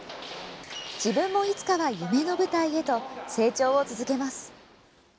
自分もいつかは夢の舞台へと成長を続けます。